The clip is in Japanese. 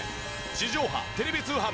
地上波テレビ通販